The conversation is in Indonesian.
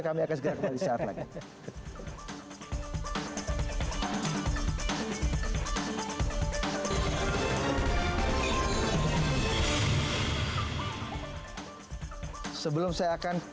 kami akan segera kembali saat lagi